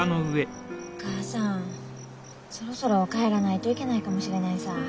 お母さんそろそろ帰らないといけないかもしれないさぁ。